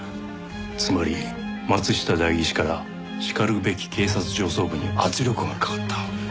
つまり松下代議士からしかるべき警察上層部に圧力がかかった。